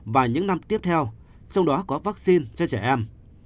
và những năm tiếp theo trong đó có vaccine cho trẻ em